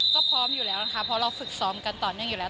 ก็พร้อมอยู่แล้วนะคะเพราะเราฝึกซ้อมกันต่อเนื่องอยู่แล้ว